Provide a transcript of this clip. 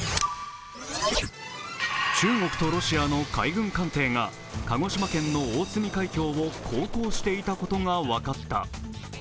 中国とロシアの海軍艦艇が鹿児島県の大隅海峡を航行していたことが分かった。